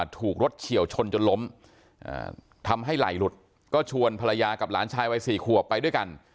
ถูกรถเฉียวชนจนล้มทำให้ไหล่หลุดก็ชวนภรรยากับหลานชายวัย๔ขวบไปด้วยกัน